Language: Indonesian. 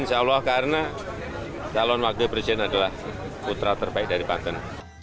insya allah karena calon wakil presiden adalah putra terbaik dari banten